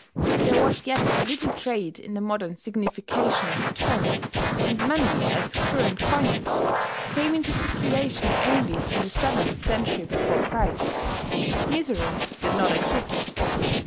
There was yet little trade in the modern signification of the term; and money, as current coinage, came into circulation only in the seventh century before Christ. Misery did not exist.